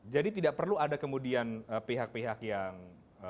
jadi tidak perlu ada kemudian pihak pihak yang